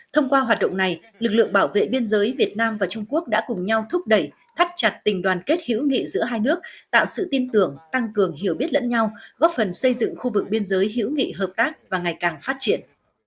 thông qua hoạt động này lực lượng bảo vệ biên giới việt nam và trung quốc đã cùng nhau thúc đẩy thắt chặt tình đoàn kết hữu nghị giữa hai nước tạo sự tin tưởng tăng cường hiểu biết lẫn nhau góp phần xây dựng khu vực biên giới hữu nghị hợp tác và ngày càng phát triển